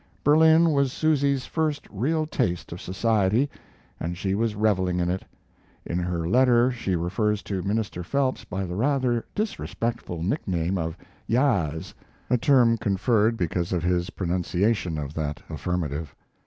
Berlin was Susy's first real taste of society, and she was reveling in it. In her letter she refers to Minister Phelps by the rather disrespectful nickname of "Yaas," a term conferred because of his pronunciation of that affirmative.